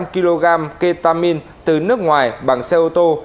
năm trăm linh kg ketamine từ nước ngoài bằng xe ô tô